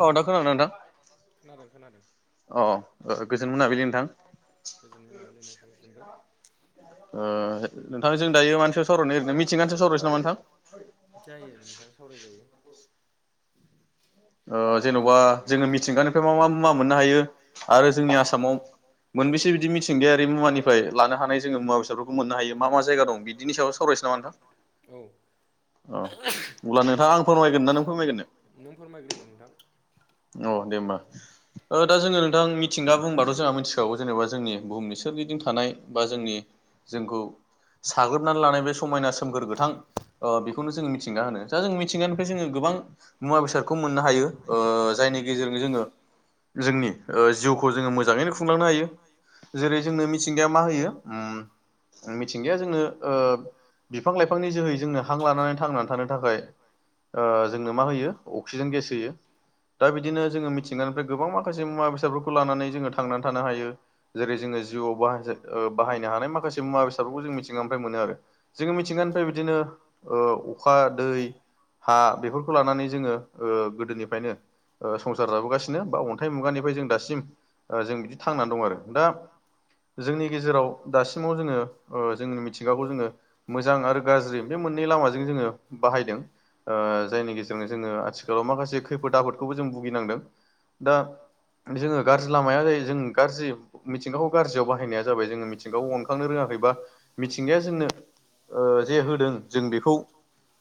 अ दा खोनादों ना नोंथां? खोनादों खोनादों। अ ओ गोजोन मोनाबिलि नोंथां। ओ नोंथां जों दायो मानि सायाव सावरायनो नागिरदों मिथिंगानि सायाव सावरायनोसै नामा नोंथां? जायो नोंथां सावरायजायो। ओ जेन'बा जोङो मिथिंगानिफ्राय मा मा मुवा मोननो हायो आरो जोंनि आसामाव मोनबेसे बिदि मिथिंगायारि मुवानिफ्राय लानो हानाय जोङो बेसादफोरखौ मोननो हायो मा मा जायगा दं बिदिनि सावरायसै नामा नोंथां? औ अब्ला नोंथां आं फोरमायगोरनो ना नों फोरमाय नों फोरमायग्रोदो नोंथां। अ दे होमबा ओ दा जोङो नोंथां मिथिंगा बुंबाथ' जोंहा मिथिखागौ जेनेबा जोंनि बुहुमनि सा सोरगिदिं थानाय बा जोंनि जोंखौ साग्लोबनानै लानाय बे समायना सोमखोर गोथां अ बेखौनो जोङो मिथिंगना होनो दा जों मिथिंगानिफ्राय जोङो गोबां मुवा बेसादखौ मोननो हायो। ओ जायनि गेजेरजों जोङो जोंनि ओ जिउखौ जोङो मोजाङैनो खुंलांनो हायो। जेरै जोंनो मिथिंगाया मा होयो उम उम मिथिंगाया जोंनो ओ बिफां लाइफांनि जोहै जोंनो हां लानानै थांनानै थानो थाखाय ओ जोंनो मा होयो अक्सिजेन गेस होयो। दा बिदिनो जोङो मिथिंगानिफ्राय गोबां माखासे मुवा बेसादफोरखौ लानानै जोङो थांनानै थानो हायो। जेरै जोङो जिउआव बाहासे ओ बाहायनो हानाय माखासे मुवा बेसादफोरखौ जों मिथिंगानिफ्राय मोनो आरो। जोङो मिथिंगानिफ्राय बिदिनो ओ अखा दै हा बेफोरखौ लानानै जोङो ओ गोदोनिफ्रायनो ओ संसार जाबोगासिनो बा अन्थाइ मुगानिफ्राय जों दासिम ओ जों बिदि थांनानै दं आरो दा जोंनि गेजेराव दासिमाव जोङो ओ जोंनि मिथिंगाखौ जोङो मोजां आरो गारज्रि बे मोननै लामाजों जोङो बाहायदों ओ जायनि गेजेरजों जोङो आथिखालाव माखासे खैफोद आफोद खौबो जों बुगिनांदों दा जोङो गारज्रि लामाया जायो जों गारज्रि मिथिंगाखौ गारज्रियाव बाहायनाया जाबाय जोङो मिथिंगाखौ अनखांनो रोङाखैबा मिथिंगाया जोंनो ओ जे होदों जों बेखौ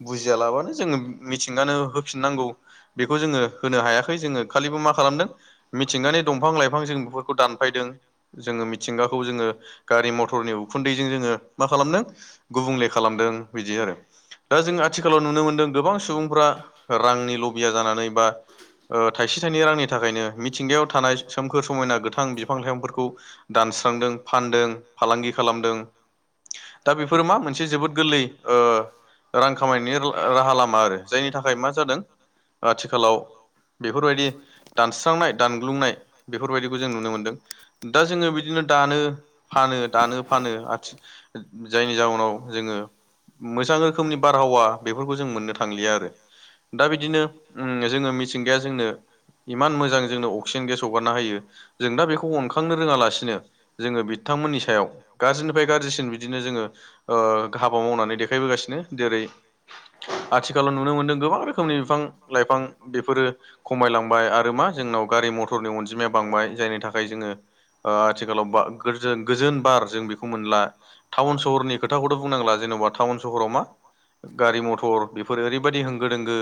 बुजियालाबानो जोङो मि-मिथिंगानो होफिननांगौ बेखौ जोङो होनो हायाखै जोङो खालिबो मा खालामदों मिथ थिंगानि दंफां लाइफां जों बेफोरखौ दानफायदों जोङो मिथिंगाखौ जोङो गारि मथरनि उखुन्दैजों जोङो मा खालामदों गुबुंले खालामदों बिदि आरो दा जों आथिखालाव नुनो मोनदों गोबां सुबुंफ्रा रांनि लबिया जानानै बा ओ थाइसे थाइनै रांनि थाखायनो मिथिंगायाव थानाय सोमखोर समायना गोथां बिफां लाइफांफोरखौ दानस्रांदों फानदों फालांगि खालामदों दों दा बेफोरो मा मोनसे जोबोद गोरलै ओ रां खामायनायनि राहा लामा आरो जायनि थाखाय मा जादों आथिखालाव बेफोरबायदि दानस्रांनाय दानगु ुंनाय बेफोरबायदिखौ जों नुनो मोनदों दा जोङो बिदिनो दानो फानो दानो फानो जायनि जाउनाव जोङो मोजां रोखोमनि बारहावा बेफोरखौ जों मोननो थांलिया आरो दा बिदिनो जोङो मिल ंग जोंनो इमान मोजां जोंनो अख न गेस हगारना होायो जों दा बेखौ अनखांनो रोङालासिनो जोङो बिथांमोननि सायाव गाज्रिनिफ्राय गाज्रिसिन बिदिनो जोङो हाबा मावनानै देखायबोगासिनो जेरै आथिखालाव नुनो मोन्दों गोबां रोखोमनि बिफां लाइफां बेफोरो खमायलांबाय आरो मा जोंनाव गारि मथरनि अनजिमाया बांबाय जायनि थाखाय जोङो आथिखालाव बा-गोजोन-गोजोन बार जों बेखौ मोनला टाउन सहरनि खोथाखौथ' बुंनांला जेन'बा जेन'बा टाउन सहराव मा गारि मथर बेफोरो ओरैबायदि होंगो दोंगो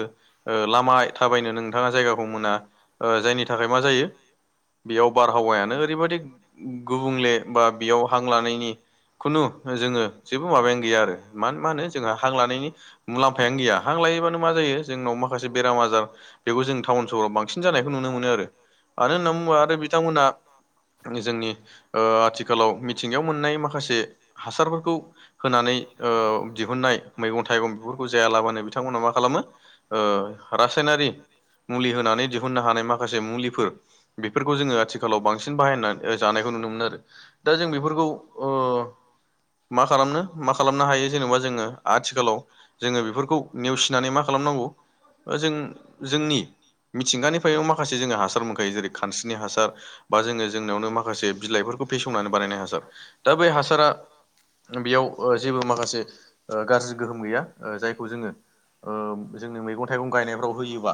लामा थाबायनो नोंथाङा जायगाखौ मोना जायनि थाखाय मा जायो बेयाव बारहावायानो ओरैबायादि गुबुंले बा बेयाव हां लानायनि खुनु जोङो जेबो माबायानो गैया आरो मान-मा होनो जोंहा हा लानायनि मुलाम्फायानो गैया। हां लायोबानो मा जायो जोंनाव माखासे बेराम आजार बेखौ जों टाउन सहराव बांसिन जानायखौ नुनो मोनो आरो। उम मानो होनना बुङोबा आरो बिथांमोना जों-जोंनि आथिखालाव मिथिंगायाव मोननाय माखासे हासारफोरखौ होनानै दिहुननाय मैगं थाइगं बेफोरखौ जायालाबानो बिथांमोना मा खालामो ओ रासाय नारि मुलि होनानै दिहुननो हानाय माखासे मुलि बेफोर बेफोरखौ जोङो आथिखालाव बांसिन बाहायना ओ जानायखौ नुनो मोनो आरो दा जों बेफोरखौ ओ मा खालामनो मा खालामनो हायो जेनेबा जोङो आथिखालाव जोङो बेफोरखौ नेवसिनानै मा खालामनांगौ जों जोंनि मिथिंगानिफ्राय माखासे जों हा हासार मोनखायो जेरै खानस्रिनि हासार बा जोङो जोंनावनो माखासे बिलाइफोरखौ फेसंनानै बानायनाय हासार। दा बै हासारा बेयाव जेबो माखासे गाज्रि गोहोम गैया जाय खौ जोङो मैगं थाइगं गायनायफ्राव होयोबा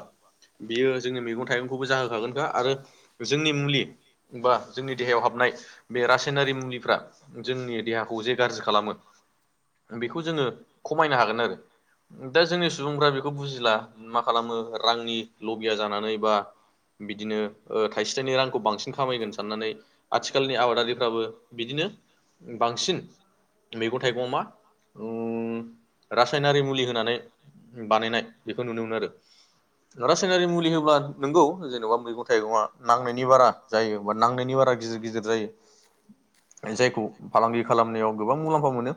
बियो जोंनि मैगं थाइगं खौबो जाहोखागोनखा आरो जोंनि मुलि बा जोंनि देहायाव हाबनाय बे रासायनारि मुलिफ्रा जोंनि देहाखौ जे गाज्रि खालामो बेखौ जोङो खमायनो हागोन आरो दा जोंनि सुबुंफ्रा बेखौ बुजिला मा खालामो रांनि लबिया जानानै बा बिदिनो थाइसे थाइनै रांखौ बांसिन खामायगोन साननानै आथिखालनि आबादारिफ्राबो बिदिनो बांसिन मैगं थाइगं मा उ‌ रासायनारि मुलि होनानै बानायनाय बेखौ नुनो मोनो आरो। रासायनारि मुलि होब्ला नोंगौ जेन'बा मैगं थाइगङा नांनायनि बारा जायोबा नांनायनि बारा गिदिर गिदिर जाय जायखौ फालांगि खालामनायाव गोबां मुलाम्फा मोनो।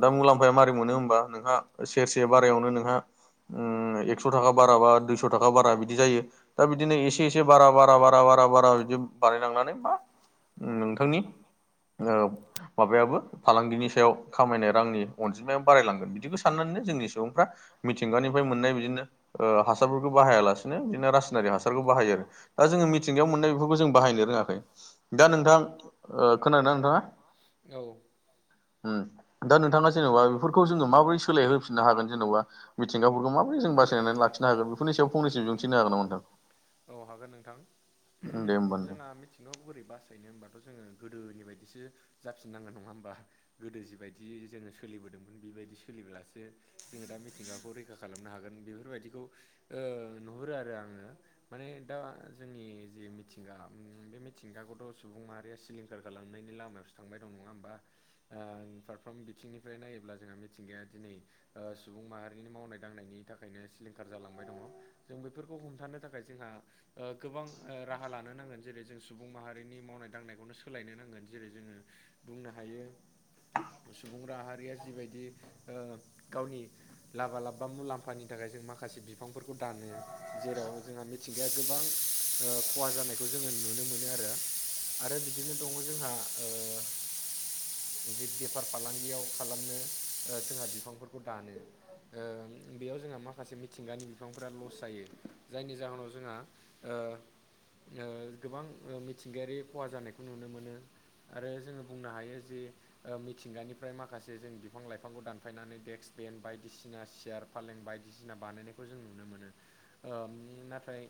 दा मुलाम्फाया मारै मोनो होमबा नोंहा सेरसे बारायावनो नोंहा उम एकस' थाखा बारा बा दुइस' थाखा बारा बिदि जायो दा बिदिनो एसे एसे बारा बारा बारा बारा बारा बिदि बारायलांनानै बा नोंथांनि माबायाबो फालांगिनि सायाव खामायनाय रांनि अनजिमाया बारायलांगोन बिदिखौ साननानैनो जोंनि सुबुंफ्रा मिथिंगानिफ्राय मोननाय बिदिनो हासारफोरखौ बाहायालासे नो रासायनारि हासारखौ बाहायो आरो दा जोङो मिथिंगायाव मोननायफोरखौ जों बाहायनो रोङाखै। दा नोंथां खोनादों ना नोंथाङा? उम दा नोंथाङा जेन'बा बेफोरखौ जोङो माबोरै सोलाय होफिननो हागोन जेन'बा मिथिंगाफोरखौ माबोरै जों बास लाखिनो हागोन बेफोरनि सायाव फंनैसो बिबुंथि होनो हागोन नामा नोंथां उम दे होमबा जोंहा मिथिंगायाव बोरै बासायनो होमबाथ' जोङो गोदोनि बायदिसो जाफिननांगोन नङा होमबा। गोदो जिबायदि जोङो सोलिबोदोंमोन बेबायदि सोलिब्लासो जोङो दा मिथिंगाखौ रैखा खालामनो हागोन बेफोरबायदिखौ ओ नुहुरो आरो आङो। माने दा जोंनि जि मिथिंगा बे मिथिंगाखौथ' सुबुं माहारिया सिलिं खार खालामनायनि लामायावसो थांबाय दं नङा होमबा ओं फार फ्रोम बिथिंनिफ्राय नायोब्ला जोंहा मिथिंगाया दिनै सुबुं माहारिनि मावनाय दांनायनि थाखायनो सिलिंखार जालांबाय दङ जों बेफोरखौ हमथानो थाखाय जोंहा गोबां राहा लानो नांगोन जेरै जों सुबुं माहारिनि मावनाय दांनायखौनो सोलायनो नांगोन जेरै जोङो बुंनो हायो सुबुं राहारिया जिबायदि गावनि लाबा लाबबा मुलाम्फानि थाखाय जों माखासे बिफांफोरखौ दानो। जेराव जोंहा मिथिंगाया गोबां खहा जानायखौ जोङो नुनो मोनो आरो आरो बिदिनो दङ जोंहा ओ बे बेफार फालांगियाव खालामनो जोंहा बिफांफोरखौ दानो। ओ बेयाव जोंहा माखासे मिथिंगानि बिफांफोरा लस जायो। जायनि जाहोनाव जोंहा ओ ओ गोबां मिथिंगायारि खहा जानायखौ नुनो मोनो। आरो जोंङो बुंनो हायो जे मिथिंगानिफ्राय माखासे जों बिफां लाइफांखौ दानफायनानै डेक्स बेन्स बायदिसिना सियार फालें बायदिसिना बानायना खौ जों नुनो मोनो ओम नाथाय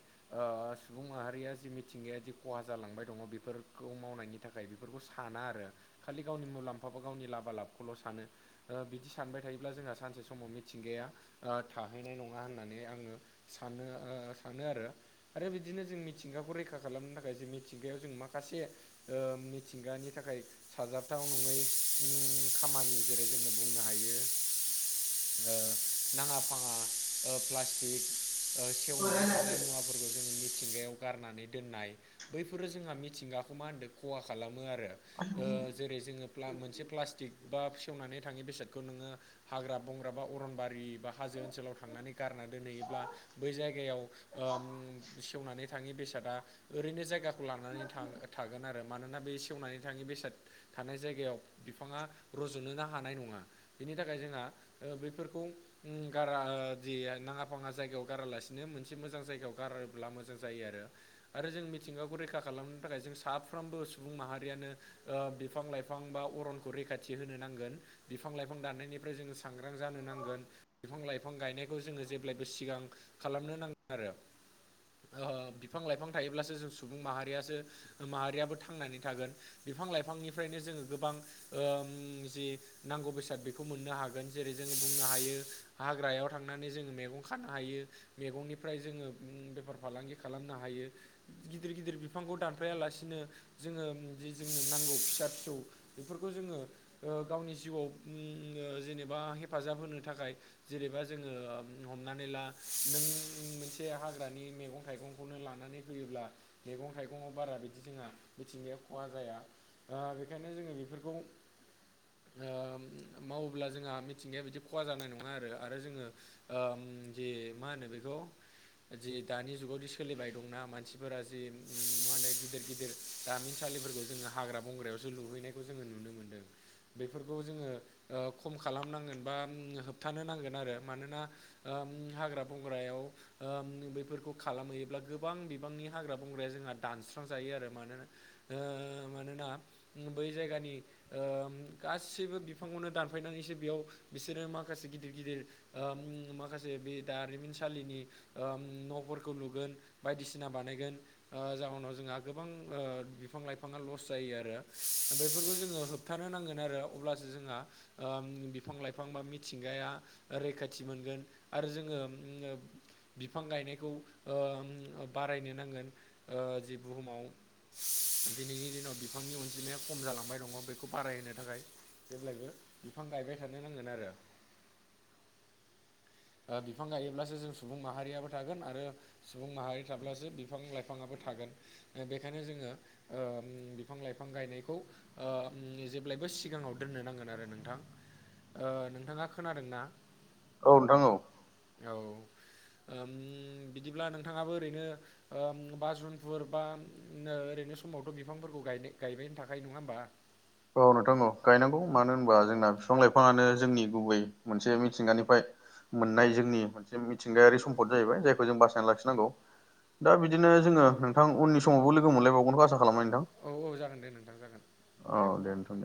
ओ सुबुं माहारिया जि मिथिंगाया जि खहा जालांबाय दङ बेफोरखौ मावनायनि थाखाय बेफोरखौ साना आरो खालि गावनि मुलाम्फाबो गावनि लाबा लाबखौल' सानो। बिदि सानबाय थायोब्ला जोंहा सानसे समाव मिथिंगाया थाहैनाय नङा होननानै आंङो सानो सानो आरो आरो बिदिनो जों मिथिंगाखौ रैखा खालामनो थाखाय जे मिथिंगायाव जों माखासे मिथिंगानि थाखाय साबजाथाव नङै ओम खामानि जेरै जोंङो बुंनो हायो। नाङा फाङा प्लास थिंक सेवनानै थाङै मुवाफोरखौ जोङो मिथिंगायाव गारनानै दोननाय बैफोरो जोंहा मिथिंगाखौ मा होनदों खहा खालामो आरो ओ जेरै जोंङो मोनसे प्लाम प्लास्टिक बा सेवनानै थाङि बेसादखौ नोंङो हाग्रा बंग्रा बा अरनबारि बा हाजो ओनसोलाव थांनानै गारना दोनहैयोब्ला बै जायगायाव सेवनानै थाङि बेसादा ओरैनो जायगा खौ लांनानै थागोन आरो मानोना बे सेवनानै थाङि बेसाद थानाय जायगायाव। बिफाङा रज'नोनो हानाय नङा बिनि थाखाय जोंहा बेफोरखौ ओम गारा जि नाङा फाङा जायगायाव गारालासिनो मोनसे मोजां जायगायाव गारोब्ला मोजां जायो आरो। आरो जों मिथिंगाखौ रैखा खालामनो थाखाय जों साफ्रोमबो सुबुं माहारियानो ओ बिफां लाइफां बा अरनखौ रैखाथि होनो नांगोन। बिफां लाइफां दाननायनिफ्राय जोङो सांग्रां जानो नांगोन। बिफां लाइफां गायनायखौ जोंङो जेब्लायबो सिगां खालामनो नांगौ आरो। ओ बिफां लाइफां थायोब्लासो जों सुबुं माहारियासो माहारियाबो थांनानै थागोन बिफां लाइफांनिफ्रायनो जोंङो गोबां ओम जि नांगौ बेसाद बेखौ मोननो हागोन जेरै जोंङो बुंनो हायो हाग्रायाव थांनानै जोङो मैगं खानो हायो। मैगंनिफ्राय जोंङो बेफार फालांगि खालामनो हायो। गिदिर गिदिर बिफांखौ दानफायालासिनो जोंङो जि जोंनो नांगौ फिसा फिसौ बेफोरखौ जोंङो गावनि जिउआव जेनेबा हेफाजाब होनो थाखाय जेनेबा जोंङो हमनानै ला नों मोनसे हाग्रानि मैगं थाइगंखौनो लानानै फैयोब्ला मैगं थाइगङाव बारा बिदि जोंहा मिथिंगाया खहा जाया। ओ बेखायनो जोंङो बेफोरखौ मावोब्ला जोंहा मिथिंगाया बिदि खहा जानाय नङा आरो आरो जोंङो ओम जे मा होनो बेखौ जि दानि जुगावदि सोलिबाय दंना मानसिफोरा जि मा होनो गिदिर गिदिर [inaudible] हाग्रा बंग्रा सो लुहैनायखौ जों नुनो मोन दों। बेफोरखौ जोंङो खम खालामनांगोन बा होबथानो नांगोन आरो मानोना ओम हाग्रा बंग्रायाव ओम बेैफोरखौ खालामहैयोब्ला गोबां बिबांनि हाग्रा बंग्राया जोंहा दानस्रांजायो आरो मानोना ओ मानोना बै जायगानि गासैबो बिफांखौनो दानफायनानैसो बेयाव बिसोरो माखासे गिदिर गिदिर ओम माखासे बे दारिमिनसालिनि ओम न'फोरखौ लुगोन बायदिसिना बानायगोन। जाहोनाव जोंहा गोबां बिफां लाइफांङा लस जायो आरो। बेफोरखौ जोंङो होबथानो नांगोन आरो अब्लासो जोंहा बिफां लाइफां बा मिथिंगाया रैखाथि मोनगोन आरो जोंङो बिफां गायनायखौ बारायनो नांगोन जि बुहुमाव दिनैनि दिनाव बिफांनि अन बिदिनो खम जालांबाय दंङ बेखौ बारायहोनो थाखाय जेब्लायबो बिफां गायबाय थानो नांगोन आरो। बिफां गायोब्लासो जों सुबुं माहारियाबो थागोन आरो सुबुं माहारि थाब्लासो बिफां लाइफाङाआबो थागोन। बेखायनो जोंङो बिफां लाइफां बिफां गायनायखौ जेब्लायबो सिगांङाव दोननो नांगोन आरो नोंथां नोंथांङा खोनादों ना औ नोंथां औ औ बिदिब्ला नोंथांङाबो ओरैनो बाजुनफोर बा ओरैनो समावथ' बिफांफोरखौ गायनो गायनायनि थाखाय नंङा होनबा औ नोंथां औ गायनांगौ मानो होनबा जोंना बिफां लाइफांङानो जोंनि गुबै मोनसे मिथिंगानिफ्राय मोननाय जोंनि मोनसे मिथिंगायारि सम्फद जाहैबाय जायखौ जों बासायना लाखिनांगौ दा बिदिनो जोंङो नोंथां उनि समावबो लोगो मोनलायबावगोनखौ आसा खालामो नोंथां। औ औ जागोन दे नोंथां जागोन दे अब्ला।